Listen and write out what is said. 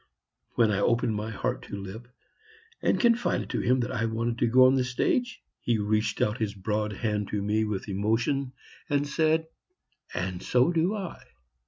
When I opened my heart to Lipp and confided to him that I wanted to go on the stage, he reached out his broad hand to me with emotion and said, "And so do I."